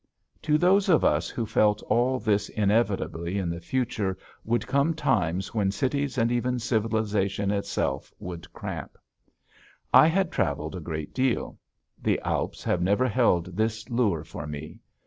To those of us who felt all this inevitably in the future would come times when cities and even civilization itself would cramp. I have traveled a great deal. The Alps have never held this lure for me.